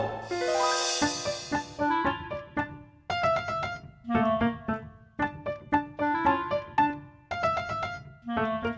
ibu gak mau